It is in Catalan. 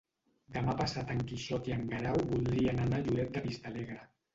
Demà passat en Quixot i en Guerau voldrien anar a Lloret de Vistalegre.